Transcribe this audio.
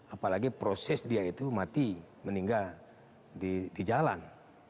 apalagi proses dia itu mati meninggal di jalan